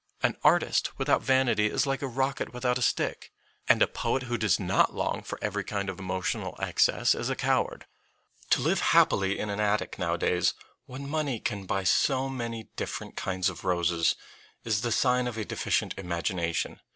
An artist without vanity is like a rocket without a stick, and a poet who does not long for every kind of emo tional excess is a coward. To live happily in an attic nowadays, when money can buy so many different kinds of roses, is the sign of a deficient imagination.